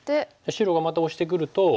白がまたオシてくると。